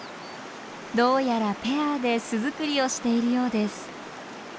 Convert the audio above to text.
どうやらペアで巣づくりをしているようです。